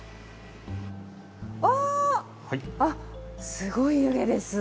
すごい湯気です